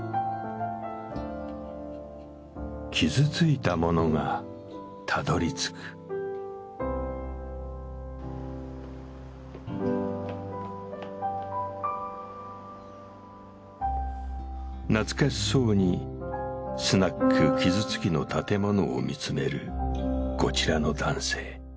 傷ついた者がたどりつく懐かしそうにスナックキズツキの建物を見つめるこちらの男性。